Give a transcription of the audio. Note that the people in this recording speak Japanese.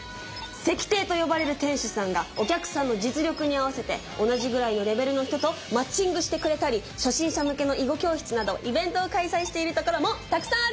席亭と呼ばれる店主さんがお客さんの実力に合わせて同じぐらいのレベルの人とマッチングしてくれたり初心者向けの囲碁教室などイベントを開催しているところもたくさんあるんです！